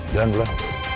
jalan dulu lah